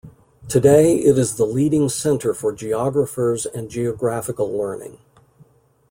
Today, it is the leading centre for geographers and geographical learning.